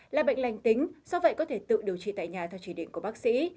là bệnh lành tính do vậy có thể tự điều trị tại nhà theo chỉ định của bác sĩ